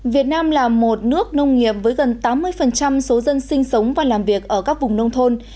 việt nam là một nước nông nghiệp với gần tám mươi số dân sinh sống và làm việc ở các vùng nông thôn